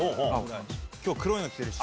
きょう、黒いの着てるし。